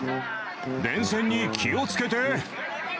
電線に気をつけて。